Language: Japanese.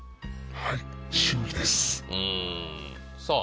はい。